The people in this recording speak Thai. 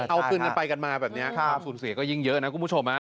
เอาคืนกันไปกันมาแบบนี้ความสูญเสียก็ยิ่งเยอะนะคุณผู้ชม